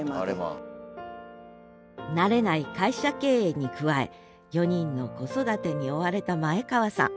慣れない会社経営に加え４人の子育てに追われた前川さん。